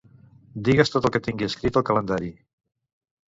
Digues tot el que tingui escrit al calendari.